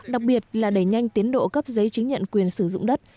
đặc biệt là đẩy nhanh tiến độ cấp giấy chứng nhận quyền sử dụng đất